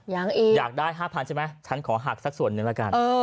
อยากได้๕๐๐๐ใช่ไหมฉันขอหักสักส่วนนึงละกัน